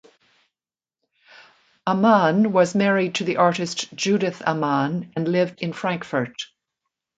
Ammann was married to the artist Judith Ammann and lived in Frankfurt.